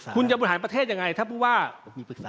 คุณจะบริหารประเทศอย่างไร